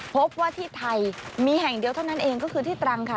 พบว่าที่ไทยมีแห่งเดียวเท่านั้นเองก็คือที่ตรังค่ะ